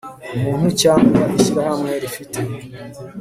umuntu cyangwa ishyirahamwe rifite